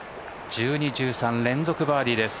１２、１３連続バーディーです。